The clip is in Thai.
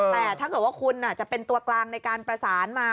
แต่ถ้าเกิดว่าคุณจะเป็นตัวกลางในการประสานมา